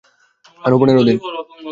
আরও পনেরো দিন।